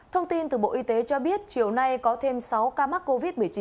thông tin từ bộ y tế cho biết chiều nay có thêm sáu ca mắc covid một mươi chín